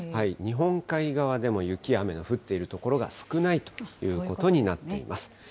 日本海側でも雪や雨の降っている所が少ないということになっています。